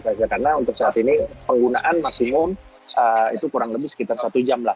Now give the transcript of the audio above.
karena untuk saat ini penggunaan maksimum itu kurang lebih sekitar satu jam